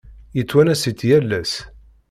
Yettwanas-itt yal ass.